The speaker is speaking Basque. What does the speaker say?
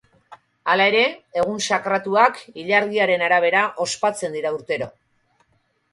Halere, egun sakratuak ilargiaren arabera ospatzen dira urtero.